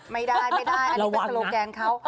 ไม่ได้อันนี้เป็นสโลแกงเขา